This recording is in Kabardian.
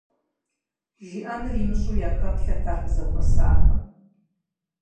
ЖиӀэнур имыщӀэу яхэплъэрт ар къызэхуэсахэм.